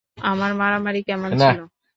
আমার মারামারি কেমন ছিল?